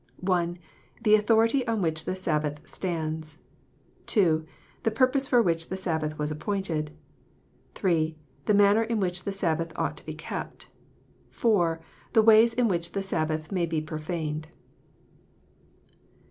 I. The authority on which the Sabbath stands. II. The purpose for which the Sabbath was appointed. III. The manner in which the Sabbath ought to be kept. IV. Tlie ways in which the Sabbath may be profaned.